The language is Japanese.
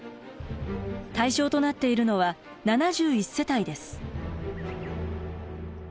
対象となっているのは７１世帯です。